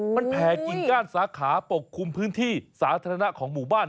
มันแผ่กิ่งก้านสาขาปกคลุมพื้นที่สาธารณะของหมู่บ้าน